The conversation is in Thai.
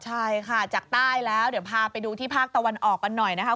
ใช่ค่ะจากใต้แล้วเดี๋ยวพาไปดูที่ภาคตะวันออกกันหน่อยนะคะ